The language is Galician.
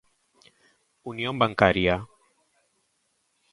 Unión bancaria.